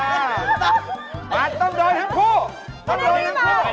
เอาอย่างนี้คุณมาด้วยกันคุณเป็นเพื่อนกัน